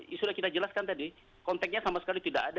isu yang kita jelaskan tadi konteknya sama sekali tidak ada